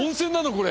これ。